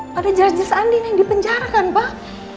pada jelas jelas andin yang dipenjarakan pak